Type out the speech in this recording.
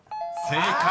［正解！